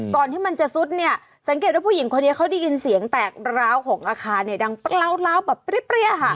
ที่มันจะซุดเนี่ยสังเกตว่าผู้หญิงคนนี้เขาได้ยินเสียงแตกร้าวของอาคารเนี่ยดังล้าวแบบเปรี้ยค่ะ